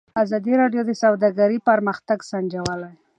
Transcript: ازادي راډیو د سوداګري پرمختګ سنجولی.